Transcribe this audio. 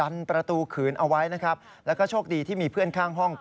แล้วก็โชคดีที่มีเพื่อนข้างห้อง